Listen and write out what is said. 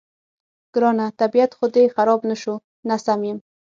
ګرانه، طبیعت خو دې خراب نه شو؟ نه، سم یم.